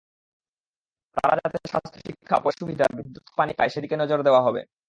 তারা যাতে স্বাস্থ্য, শিক্ষা, পয়ঃসুবিধা, বিদ্যুৎ, পানি পায়, সেদিকে নজর দেওয়া হবে।